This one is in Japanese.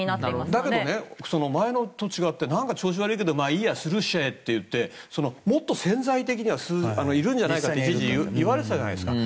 だけど前のと違ってなんか調子悪いけどまあいいや、スルーしちゃえってもっと潜在的にはいるんじゃないかって一時言われてたじゃないですか。